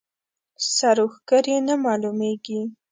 سر و ښکر یې نه معلومېږي.